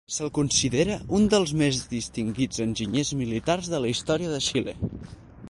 Se'l considera un dels més distingits enginyers militars de la història de Xile.